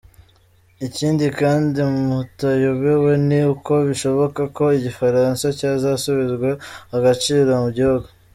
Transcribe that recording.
Ikindi kandi mutayobewe ni uko bishoboka ko igifaransa cyazasubizwa agaciro mu gihugu.